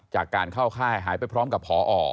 จากการเข้าค่ายหายไปพร้อมกับพอ